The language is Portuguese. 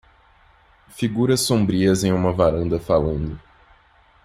Figuras sombrias em uma varanda falando.